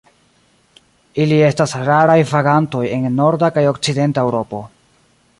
Ili estas raraj vagantoj en norda kaj okcidenta Eŭropo.